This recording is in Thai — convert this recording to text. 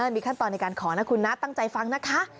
มีขั้นตอนในการขอนะคุณนะตั้งใจฟังนะคะ